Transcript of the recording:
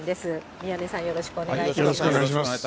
宮根さん、よろしくお願いします。